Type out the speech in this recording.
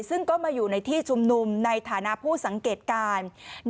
ซึ่งก็มาอยู่ในที่ชุมนุมในฐานะผู้สังเกตการ